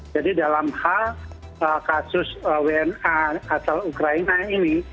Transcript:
jadi dalam hal kasus wna asal ukraina ini